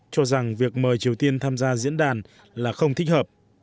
cho rằng việc mời triều tiên tham gia diễn đàn là không thích hợp